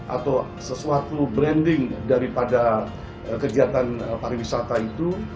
atau sesuatu branding daripada kegiatan pariwisata itu